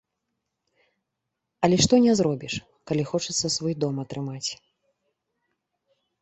Але што не зробіш, калі хочацца свой дом атрымаць.